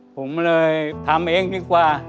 ผมเลยทำเองดีกว่า